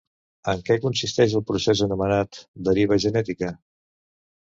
En què consisteix el procés anomenat deriva genètica?